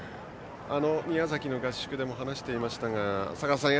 宮崎の合宿でも話していましたが坂田さん